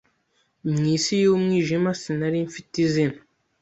mwi si y'umwijima sinari mfite izina